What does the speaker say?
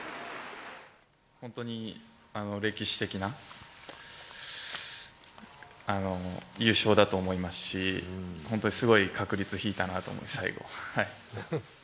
本当に歴史的な優勝だと思いますし、本当にすごい確率引いたなと思います、最後。